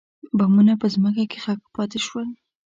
بمونه په ځمکه کې ښخ پاتې شول.